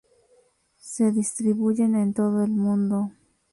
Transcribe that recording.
Se distribuyen en todo el mundo.